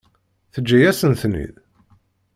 Teǧǧa-yasen-ten-id?